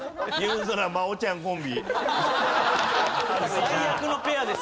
最悪のペアです。